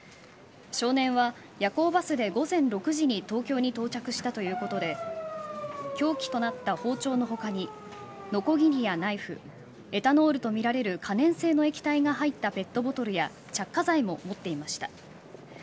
少年は夜行バスで午前６時に東京に到着したということで凶器となった包丁の他にノコギリやナイフエタノールとみられる可燃性の液体が入ったペットボトルや着火剤も持っていました。